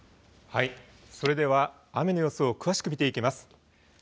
それでは雨の様子を詳しく見ていきます。